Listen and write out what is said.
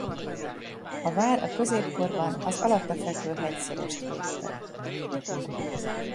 A vár a középkorban az alatta fekvő hegyszorost védte.